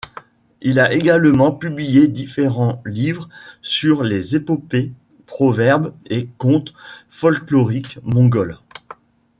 Il a également publié différents livres sur les épopées, proverbes et contes folkloriques mongols.